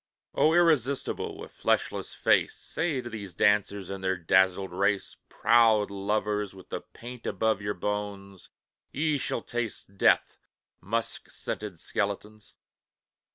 O irresistible, with fleshless face, Say to these dancers in their dazzled race: "Proud lovers with the paint above your bones, Ye shall taste death, musk scented skeletons!